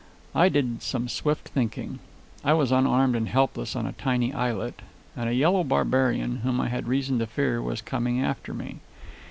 I did some swift thinking. I was unarmed and helpless on a tiny islet, and a yellow barbarian, whom I had reason to fear, was coming after me.